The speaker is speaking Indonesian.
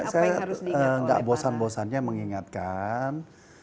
saya nggak bosan bosannya mengingatkan